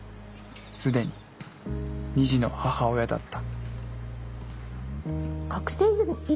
既に二児の母親だった。